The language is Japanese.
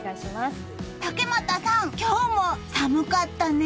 竹俣さん、今日も寒かったね。